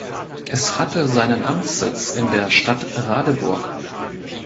Es hatte seinen Amtssitz in der Stadt Radeburg.